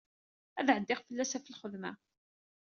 Ad d-ɛeddiɣ fell-as ɣef lxemsa.